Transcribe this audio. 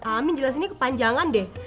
amin jelasinnya kepanjangan deh